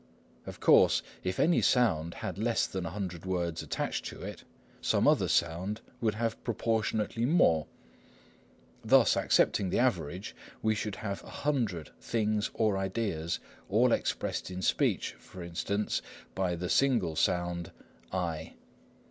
Of course, if any sound had less than 100 words attached to it, some other sound would have proportionately more. Thus, accepting the average, we should have 100 things or ideas, all expressed in speech, for instance, by the one single sound I.